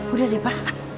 udah deh pa